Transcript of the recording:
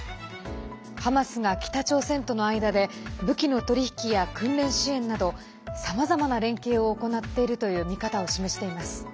ハマスが北朝鮮との間で武器の取り引きや訓練支援などさまざまな連携を行っているという見方を示しています。